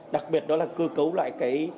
đặc biệt đó là cơ cấu lại cái